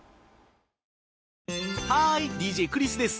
ハーイＤＪクリスです。